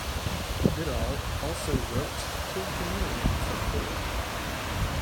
Goodall also wrote Kid Chameleon for Cor!!